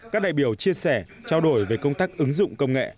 các đại biểu chia sẻ trao đổi về công tác ứng dụng công nghệ